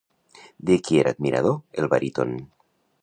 De qui era admirador el baríton?